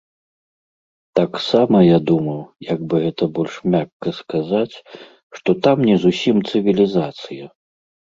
Таксама я думаў, як бы гэта больш мякка сказаць, што там не зусім цывілізацыя.